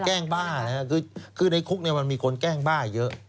แกล้งบ้านะครับคือในคุกเนี่ยมันมีคนแกล้งบ้าเยอะ